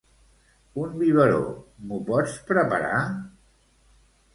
Un biberó m'ho pots preparar?